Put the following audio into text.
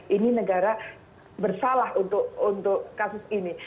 ini negara bersalah untuk kasus ini